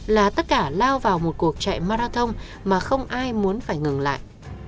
là tất cả lao vào một cuộc chạy marathon mà không ai muốn phải ngừng lại